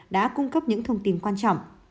đã cung cấp những thông tin quan trọng